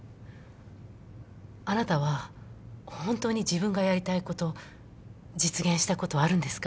あなたは本当に自分がやりたいこと実現したことはあるんですか？